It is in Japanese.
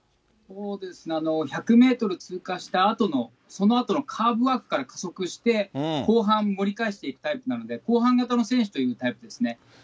そうですね、１００メートル通過したあとの、そのあとのカーブワークから加速して、後半盛り返していくタイプなので、後半型の選手というタイプですね。